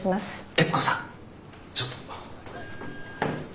悦子さんちょっと。